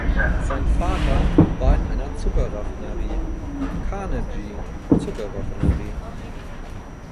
Sein Vater war an einer Zuckerraffinerie (Carnegie Zuckerraffinerie).